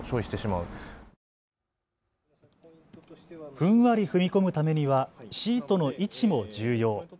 ふんわり踏み込むためにはシートの位置も重要。